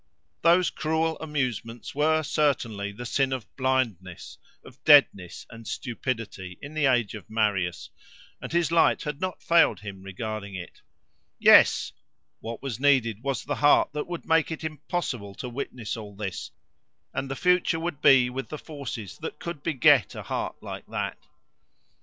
Those cruel amusements were, certainly, the sin of blindness, of deadness and stupidity, in the age of Marius; and his light had not failed him regarding it. Yes! what was needed was the heart that would make it impossible to witness all this; and the future would be with the forces that could beget a heart like that.